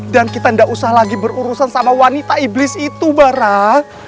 dan kita tidak usah lagi berurusan sama wanita iblis itu barah